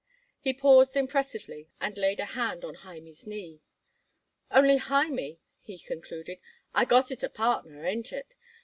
He paused impressively and laid a hand on Hymie's knee. "Only, Hymie," he concluded, "I got it a partner. Ain't it?